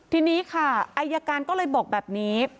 ทีนี้ค่ะอายการก็เลยบอกแบบนี้